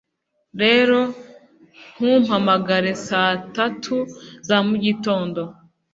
rero ntumpamagare saa tatu za mugitondo